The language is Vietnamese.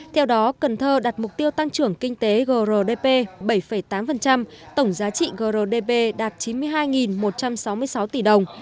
theo đó cần thơ đặt mục tiêu tăng trưởng kinh tế grdp bảy tám tổng giá trị grdp đạt chín mươi hai một trăm sáu mươi sáu tỷ đồng